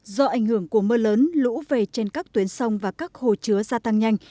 do ảnh hưởng của mưa lớn lũ về trên các tuyến sông và các hồ chứa gia tăng nhanh